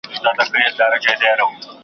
دوستي د سلو کلونو لار ده .